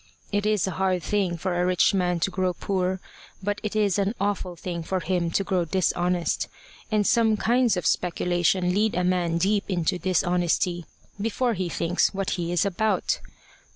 It is a hard thing for a rich man to grow poor; but it is an awful thing for him to grow dishonest, and some kinds of speculation lead a man deep into dishonesty before he thinks what he is about.